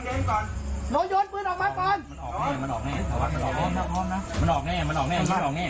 เพื่อความประสุนใจของโน้นเหมือนกัน